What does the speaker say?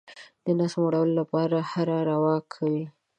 د نس مړولو لپاره هره روا کوي.